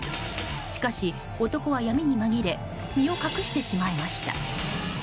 しかし、男は闇に紛れ身を隠してしまいました。